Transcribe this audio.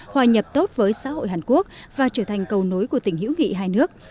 hòa nhập tốt với xã hội hàn quốc và trở thành cầu nối của tỉnh hữu nghị hai nước